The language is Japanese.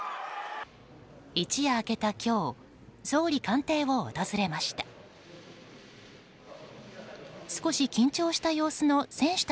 一夜明けた今日総理官邸を訪れました。